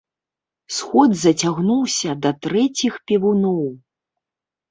Сход зацягнуўся да трэціх певуноў.